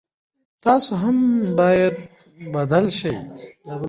تاسو هم باید بدل شئ.